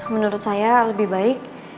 menurut saya lebih baik